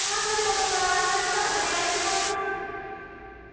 ここからは船木さんお願いします。